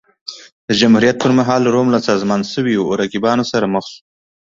د جمهوریت پرمهال روم له سازمان شویو رقیبانو سره مخ شو